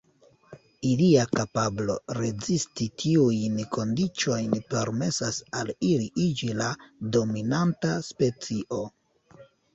Ilia kapablo rezisti tiujn kondiĉojn permesas al ili iĝi la dominanta specio.